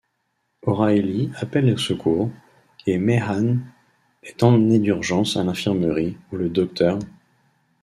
O'Reilly appelle au secours, et Meehan est emmené d'urgence à l'infirmerie, où le Dr.